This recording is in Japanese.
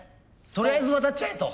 とりあえず渡っちゃえと。